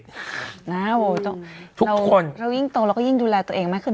เรายิ่งโตแล้วก็ยิ่งดูแลตัวเองมากขึ้นมากขึ้น